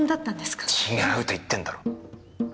違うと言ってんだろ！